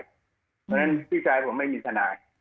แล้วนั้นพี่ชายผมไม่มีหน้าย